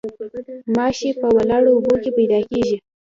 ماشي په ولاړو اوبو کې پیدا کیږي